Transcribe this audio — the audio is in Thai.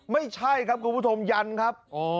ไม่ใช่ครับคุณผู้ชมยันครับ